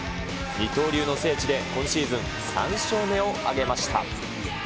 二刀流の聖地で、今シーズン３勝目を挙げました。